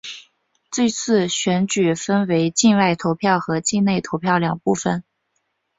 是次选举分为境外投票和境内投票两部分。